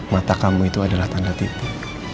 mata kamu itu adalah tanda titi